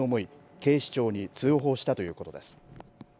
警視庁に通報したということです。